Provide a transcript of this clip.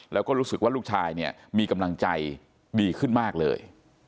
แล้วก็รู้สึกว่าลูกชายเนี่ยมีกำลังใจดีขึ้นมากเลย